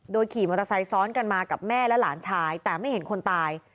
ขี่มอเตอร์ไซค์ซ้อนกันมากับแม่และหลานชายแต่ไม่เห็นคนตาย